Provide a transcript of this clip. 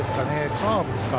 カーブですか。